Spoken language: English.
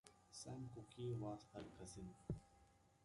Sam Cooke was her cousin.